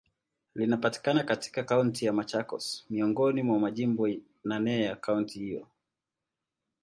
Linapatikana katika Kaunti ya Machakos, miongoni mwa majimbo naneya kaunti hiyo.